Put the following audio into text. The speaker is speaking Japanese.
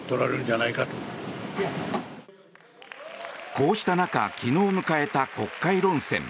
こうした中昨日迎えた国会論戦。